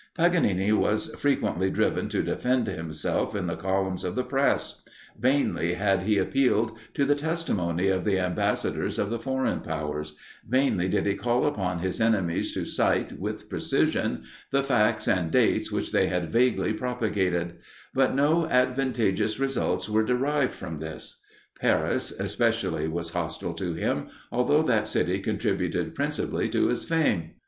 Paganini was frequently driven to defend himself in the columns of the press; vainly had he appealed to the testimony of the ambassadors of the foreign powers; vainly did he call upon his enemies to cite, with precision, the facts and dates which they had vaguely propagated; but no advantageous results were derived from this. Paris, especially, was hostile to him, although that city contributed principally to his fame.